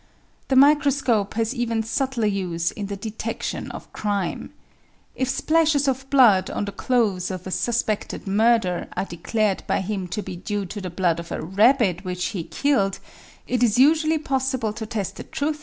The mi croscope has even su'btler use in the detection of crime. If splashes of blood on the clothes of a suspected murderer are declared by him to be due to the blood of a rabbit which he killed, it is usually possible to test the truth of his statement microscopically.